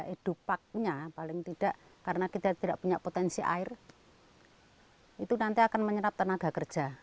edupaknya paling tidak karena kita tidak punya potensi air itu nanti akan menyerap tenaga kerja